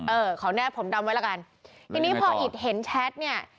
เออขอแนบผมดำไว้ละกันทีนี้พออิตเห็นแชทเนี่ย